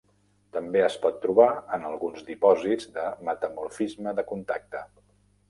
També es pot trobar en alguns dipòsits de metamorfisme de contacte.